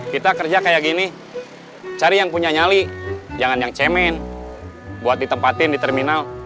kita kerja kayak gini cari yang punya nyali jangan yang cemen buat ditempatin di terminal